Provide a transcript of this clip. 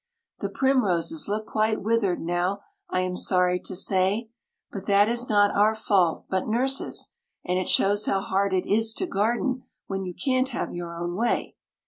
The primroses look quite withered now, I am sorry to say, But that is not our fault but Nurse's, and it shows how hard it is to garden when you can't have your own way.